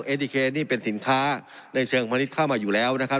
เอดิเคนี่เป็นสินค้าในเชิงมณิชย์เข้ามาอยู่แล้วนะครับ